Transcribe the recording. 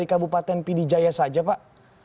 kabupaten bidijaya saja pak